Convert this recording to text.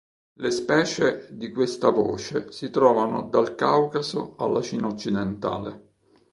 Le specie di questa voce si trovano dal Caucaso alla Cina occidentale.